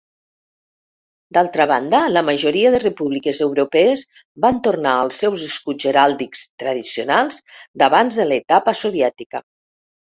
D'altra banda, la majoria de repúbliques europees van tornar als seus escuts heràldics tradicionals d'abans de l'etapa soviètica.